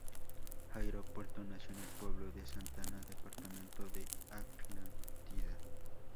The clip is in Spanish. Jairo Puerto nació en el pueblo de Santa Ana, Departamento de Atlántida.